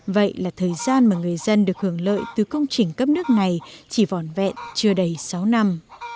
vậy là thời gian mà người dân được hưởng lợi từ công trình cấp nước này chỉ vòn vẹn chưa đầy sáu năm